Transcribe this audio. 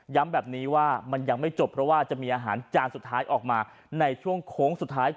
แบบนี้ว่ามันยังไม่จบเพราะว่าจะมีอาหารจานสุดท้ายออกมาในช่วงโค้งสุดท้าย